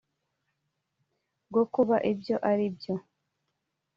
bwo kuba ibyo bari byo